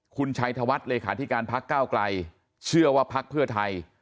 คุณชัยธวัฒน์เลขาธิการพักก้าวไกลเชื่อว่าพักเพื่อไทย